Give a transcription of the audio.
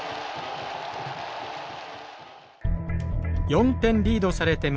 ４点リードされて迎えた